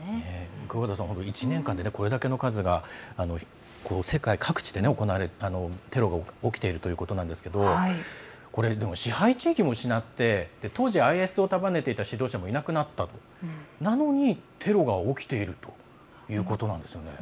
久保田さん、１年間でこれだけの数が世界各地でテロが起きているということなんですが支配地域も失って当時、ＩＳを束ねていた指導者もいなくなったのにテロが起きているということなんですね。